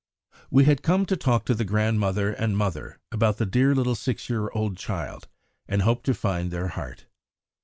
We had come to talk to the grandmother and mother about the dear little six year old child, and hoped to find their heart.